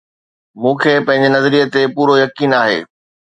مون کي پنهنجي نظريي تي پورو يقين آهي